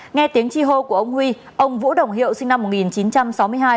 nghe tiếng chi hô của ông huy ông vũ đồng hiệu sinh năm một nghìn chín trăm sáu mươi hai